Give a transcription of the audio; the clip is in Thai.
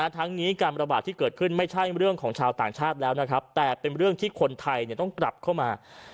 ทั้งนี้การระบาดที่เกิดขึ้นไม่ใช่เรื่องของชาวต่างชาติแล้วนะครับแต่เป็นเรื่องที่คนไทยต้องกลับเข้ามา